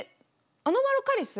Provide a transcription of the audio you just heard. アノマロカリス？